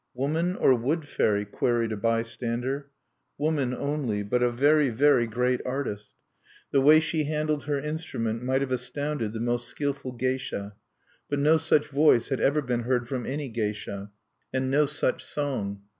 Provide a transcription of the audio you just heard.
"Woman or wood fairy?" queried a bystander. Woman only, but a very, very great artist. The way she handled her instrument might have astounded the most skillful geisha; but no such voice had ever been heard from any geisha, and no such song.